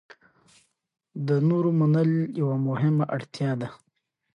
د نورو منل یوه مهمه اړتیا ده.